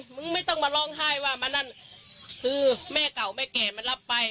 มึงไม่ต้องมาร้องไห้ว่ามานั่นคือแม่เก่าแม่แก่มันรับไป